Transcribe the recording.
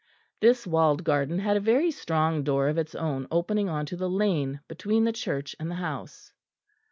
This walled garden had a very strong door of its own opening on to the lane between the church and the house.